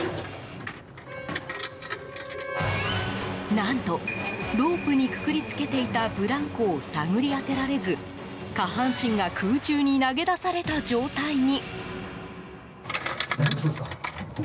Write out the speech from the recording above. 何と、ロープにくくり付けていたブランコを探り当てられず下半身が空中に投げ出された状態に。